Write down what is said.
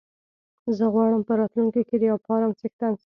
زه غواړم په راتلونکي کې د يو فارم څښتن شم.